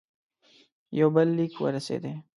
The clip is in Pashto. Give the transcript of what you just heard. یو بل لیک ورسېدی.